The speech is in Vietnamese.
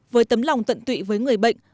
với tấm lòng tận tụy với người bệnh